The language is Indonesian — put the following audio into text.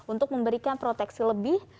untuk memberikan proteksi lebih